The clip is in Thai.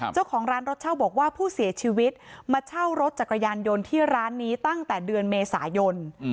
เจ้าของร้านรถเช่าบอกว่าผู้เสียชีวิตมาเช่ารถจักรยานยนต์ที่ร้านนี้ตั้งแต่เดือนเมษายน